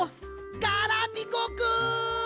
ガラピコくん！